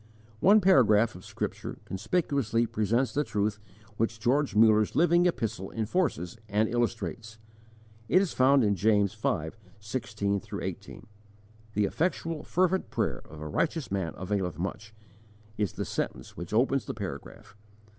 _ One paragraph of Scripture conspicuously presents the truth which George Muller's living epistle enforces and illustrates; it is found in James v. 16 18: "The effectual fervent prayer of a righteous man availeth much," is the sentence which opens the paragraph.